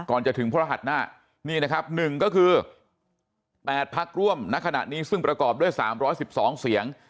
จะถึงพระรหัสหน้านี่นะครับ๑ก็คือ๘พักร่วมณขณะนี้ซึ่งประกอบด้วย๓๑๒เสียง